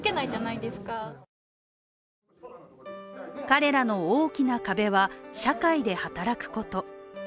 彼らの大きな壁は、社会で働くこと。